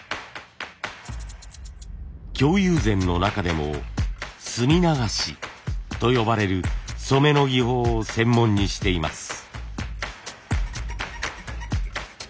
京友禅の中でも墨流しと呼ばれる染めの技法を専門にしています。